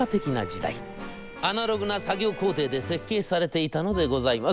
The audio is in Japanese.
アナログな作業工程で設計されていたのでございます。